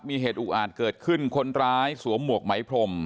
มีเหตุอุกอาจเกิดขึ้นคนร้ายสวมหมวกไหมพรม